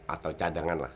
atau cadangan lah